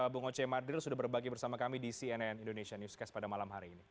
bung oce madril sudah berbagi bersama kami di cnn indonesia newscast pada malam hari ini